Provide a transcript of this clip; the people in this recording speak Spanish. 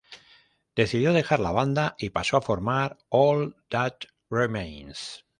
Decidió dejar la banda y pasó a formar All That Remains.